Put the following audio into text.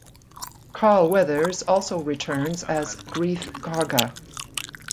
Carl Weathers also returns as Greef Karga.